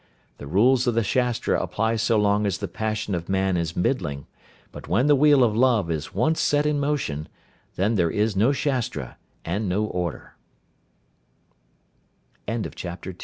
The rules of the Shastra apply so long as the passion of man is middling, but when the wheel of love is once set in motion, there is then no Shastra and no order." CHAPTER III. ON KISSING.